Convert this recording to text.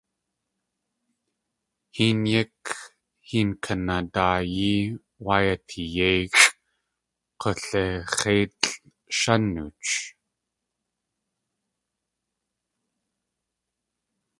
Héen yík héen kanadaayí wáa yateeyi yéixʼ kulix̲éitlʼshán nooch.